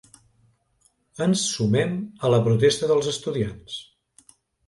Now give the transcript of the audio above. Ens sumem a la protesta dels estudiants.